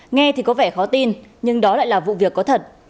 nghe thì có vẻ khó tin nhưng đó lại là vụ việc có thật